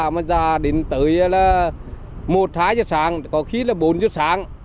mà giả đến tới là một hai giờ sáng có khi là bốn giờ sáng